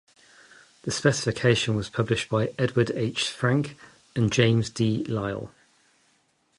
The specification was published by Edward H. Frank and James D. Lyle.